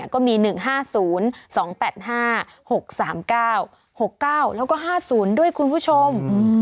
ก็มี๑๕๐๒๘๕๖๓๙๖๙แล้วก็๕๐ด้วยคุณผู้ชม